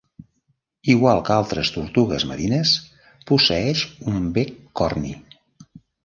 Igual que altres tortugues marines posseeix un bec corni.